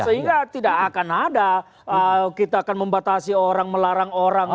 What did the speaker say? sehingga tidak akan ada kita akan membatasi orang melarang orang